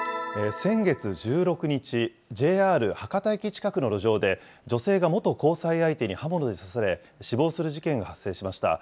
先月１６日、ＪＲ博多駅近くの路上で、女性が元交際相手に刃物で刺され死亡する事件が発生しました。